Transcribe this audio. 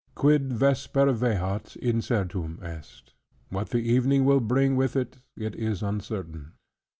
"Quid vesper vehat, incertum est," "What the evening will bring with it, it is uncertain."